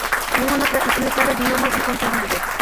ھايۋانات ۋە ئۆسۈملۈكلەردە بىنورمال ئەھۋال كۆرۈلىدۇ.